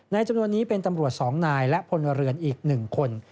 จำนวนนี้เป็นตำรวจ๒นายและพลเรือนอีก๑คน